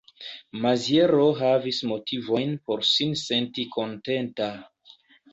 Maziero havis motivojn por sin senti kontenta.